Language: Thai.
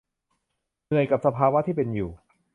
เหนื่อยกับสภาวะที่เป็นอยู่